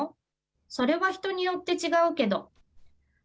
それは人によって違うけど。